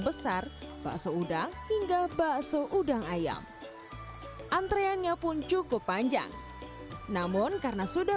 besar bakso udang hingga bakso udang ayam antreannya pun cukup panjang namun karena sudah